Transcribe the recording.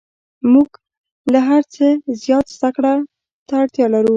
موږ له هر څه زیات زده کړو ته اړتیا لرو